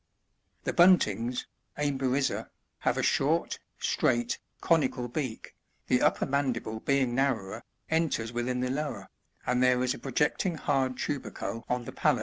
57. The Buntings,— Ell? 6crt2a — {Plate 3, Jig. 9.) have a short, straight, conical beak, the upper mandible being narrower, enters within the lower, and there is a projecting hard tubercle on the palate.